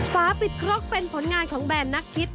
ฝาปิดครกเป็นผลงานของแบรนดนักคิด